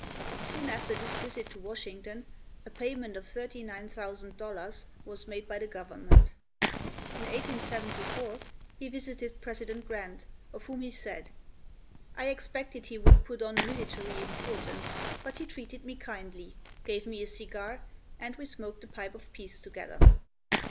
Soon after this visit to Washington a payment of $39,000 was made by the government. In 1874 he visited President Grant, of whom he said: "I expected he would put on military importance, but he treated me kindly, gave me a cigar, and we smoked the pipe of peace together."